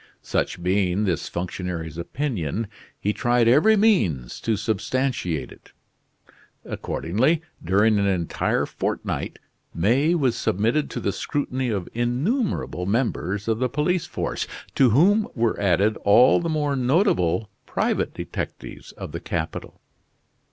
Such being this functionary's opinion, he tried every means to substantiate it. Accordingly, during an entire fortnight, May was submitted to the scrutiny of innumerable members of the police force, to whom were added all the more notable private detectives of the capital.